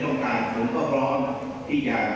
เพราะฉะนั้นก็อยากต้องฝากกับผู้ขายทหารทุกคน